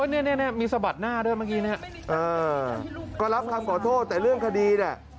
นี่มีสะบัดหน้าด้วยเมื่อกี้